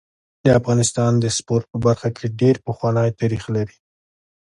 د افغانستان د سپورټ په برخه کي ډير پخوانی تاریخ لري.